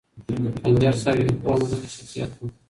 خنجر صاحب یو پوه او منلی شخصیت و.